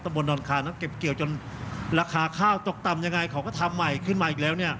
บนดอนคานั้นเก็บเกี่ยวจนราคาข้าวตกต่ำยังไงเขาก็ทำใหม่ขึ้นมาอีกแล้วเนี่ย